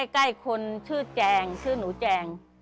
ใกล้คนชื่อแจงชื่อหนูแจง